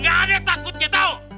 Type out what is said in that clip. gak ada takutnya tau